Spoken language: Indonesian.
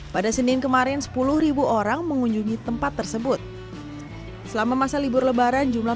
pada senin kemarin sepuluh orang mengunjungi tempat tersebut selama masa libur lebaran jumlah